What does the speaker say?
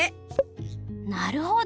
なるほど！